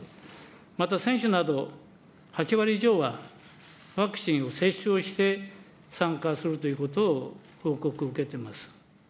また、選手など８割以上は、ワクチンを接種をして参加するということを報告を受けてます。